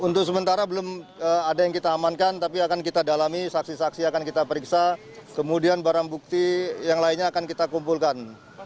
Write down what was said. untuk sementara belum ada yang kita amankan tapi akan kita dalami saksi saksi akan kita periksa kemudian barang bukti yang lainnya akan kita kumpulkan